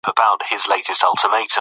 دوی خپل ژوند د کوچونو له لارې تنظیموي.